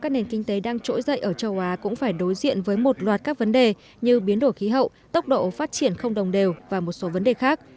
các nền kinh tế đang trỗi dậy ở châu á cũng phải đối diện với một loạt các vấn đề như biến đổi khí hậu tốc độ phát triển không đồng đều và một số vấn đề khác